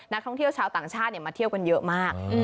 นักท่องเที่ยวชาวต่างชาติมาเที่ยวกันเยอะมาก